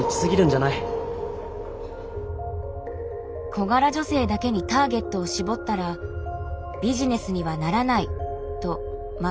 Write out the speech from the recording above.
小柄女性だけにターゲットを絞ったら「ビジネスにはならない」と周りは大反対。